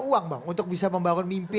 uang bang untuk bisa membangun mimpi